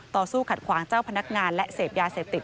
ต่อสู้ขัดขวางเจ้าพนักงานและเสพยาเสพติด